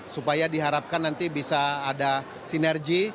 supaya diharapkan nanti bisa ada sinergi